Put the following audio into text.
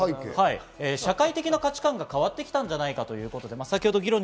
社会的な価値感が変わってきたんじゃないかということです。